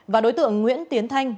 và đối tượng nguyễn tiến thanh